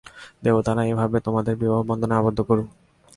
দেবতারা এইভাবে তোমাদের বিবাহ বন্ধনে আবদ্ধ করুক।